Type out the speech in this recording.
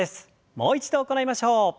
もう一度行いましょう。